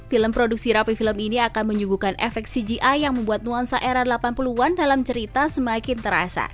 film produksi rapi film ini akan menyuguhkan efek cgi yang membuat nuansa era delapan puluh an dalam cerita semakin terasa